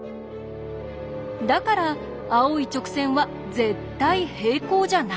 だから青い直線は絶対平行じゃないんです。